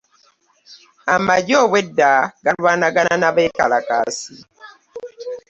Amagye obwedda galwanagana na beekalakaasi.